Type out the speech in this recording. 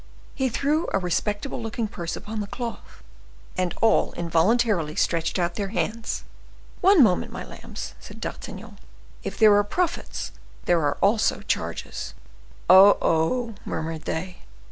He threw a respectable looking purse upon the cloth; and all involuntarily stretched out their hands. "One moment, my lambs," said D'Artagnan; "if there are profits, there are also charges." "Oh! oh!" murmured they.